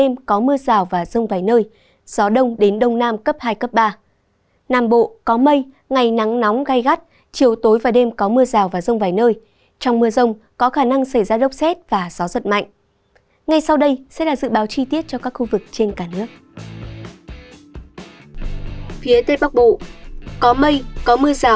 ngay sau đây sẽ là dự báo chi tiết cho các khu vực trên cả nước